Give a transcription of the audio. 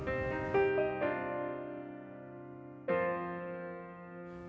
ครับ